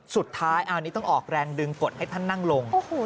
สุดท้ายอันนี้ต้องออกแรงดึงกดให้ท่านนั่งลง